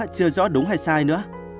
chưa rõ đúng hay sai nữa